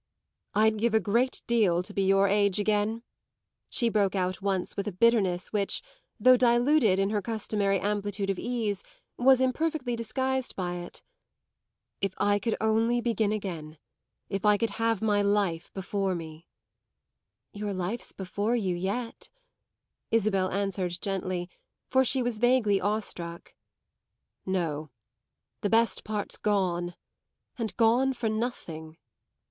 "I'd give a great deal to be your age again," she broke out once with a bitterness which, though diluted in her customary amplitude of ease, was imperfectly disguised by it. "If I could only begin again if I could have my life before me!" "Your life's before you yet," Isabel answered gently, for she was vaguely awe struck. "No; the best part's gone, and gone for nothing."